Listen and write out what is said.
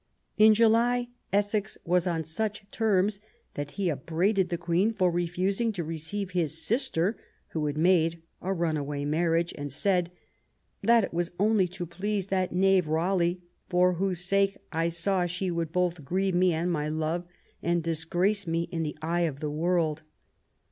In July Essex was on such terms that he upbraided the Queen for re fusing to receive his sister, who had made a runaway marriage, and said " that it was only to please that knave Raleigh, for whose sake I saw she would both grieve me and my love, and disgrace me in the eye of the world